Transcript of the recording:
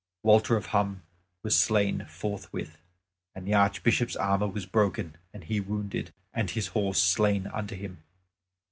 Walter of Hum was slain forthwith; and the Archbishop's armor was broken, and he wounded, and his horse slain under him.